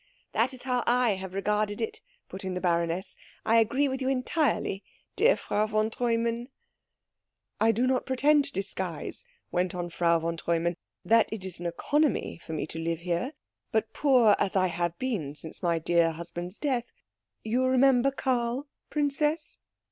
"That is how I have regarded it," put in the baroness. "I agree with you entirely, dear Frau von Treumann." "I do not pretend to disguise," went on Frau von Treumann, "that it is an economy for me to live here, but poor as I have been since my dear husband's death you remember Karl, princess?"